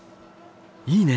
いいね！